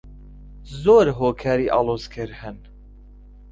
زۆر هۆکاری ئاڵۆزکەر هەن.